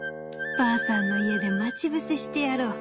ばあさんのいえでまちぶせしてやろう。